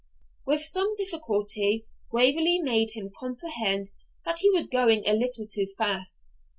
With some difficulty Waverley made him comprehend that he was going a little too fast.